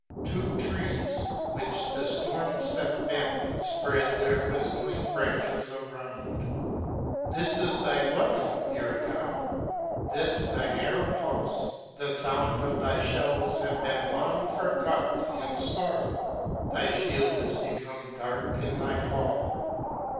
Two trees, which the ftorms have bent, fpread their Avhiftling branches around. This is thy dwelling, Erragonf ; this thy narrow houfe : The found of thy fhells have been long forgot in Sora. Thy fliield is become dark in thy hall.